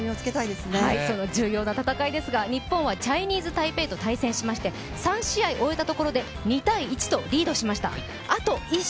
そんな重要な大会ですが日本はチャイニーズ・タイペイと対戦しまして３試合終えたところで２ー１とリードしました。